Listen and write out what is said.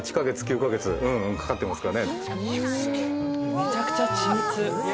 めちゃくちゃ緻密。